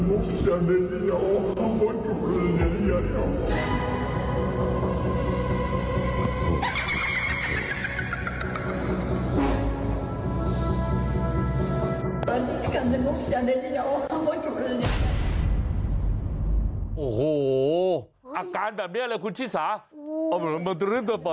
โอ้โหอ้ออาการแบบนี้อะไรครับคุณชีศา